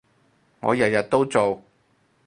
我日日都做